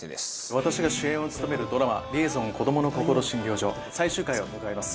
私が主演を務めるドラマ『リエゾン−こどものこころ診療所−』最終回を迎えます。